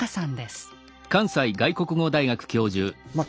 まあ